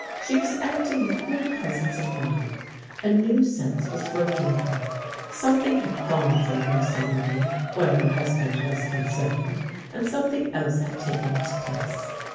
She was acting with good pres ence of mind. A new sense was working in her. Something had gone from her suddenly where her hus band was concerned, and something else had taken its place.